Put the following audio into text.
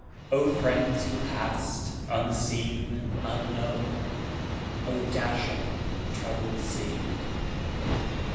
O friends who passed unseen, unknown! O dashing, troubled sea!